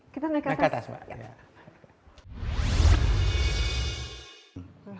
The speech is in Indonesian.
kita naik ke atas mbak